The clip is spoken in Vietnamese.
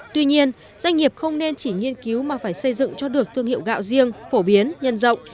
tuy nhiên doanh nghiệp không nên chỉ nghiên cứu mà phải xây dựng cho được thương hiệu gạo riêng phổ biến nhân rộng